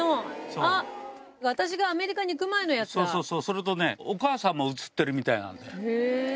あっ、私がアメリカに行く前のやそうそうそう、それとね、お母さんも写ってるみたいなんだよ。